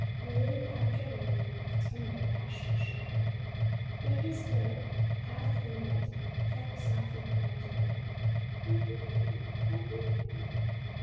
Wave after wave of tender passion shook him. In his throat half the night he kept softly calling to her: "Come here! Come here!"